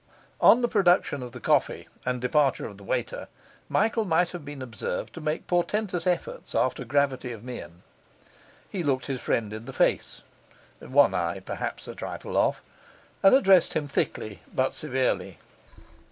On the production of coffee and departure of the waiter, Michael might have been observed to make portentous efforts after gravity of mien. He looked his friend in the face (one eye perhaps a trifle off), and addressed him thickly but severely.